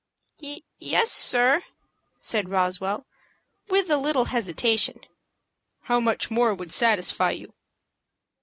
"Yes, sir," said Roswell, with a little hesitation. "How much more would satisfy you?"